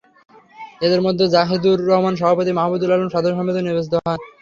এদের মধ্যে যাহেদুর রহমান সভাপতি, মাহমুদুল আলম সাধারণ সম্পাদক নির্বাচিত হন।